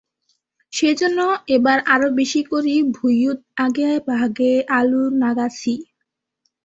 সেই জন্য এবার আরও বেশি করি ভূঁইয়োত আগে ভাগে আলু নাগাছি।